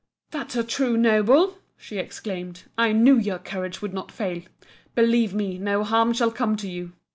"That's a true noble!" she exclaimed "I knew your courage would not fail! Believe me, no harm shall come to you!"